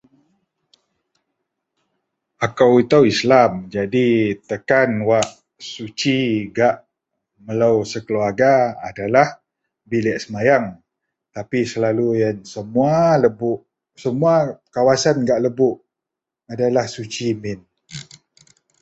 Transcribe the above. Akou itou Islam jadi takan wak suci gak melou sekeluarga adalah bilik sembahyang tapi selalu yen semua lebok. semua kawasan gak lebok adalah suci min.